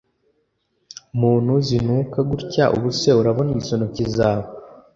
muntu zinuka gutya ubuse urabona izo ntoki zawe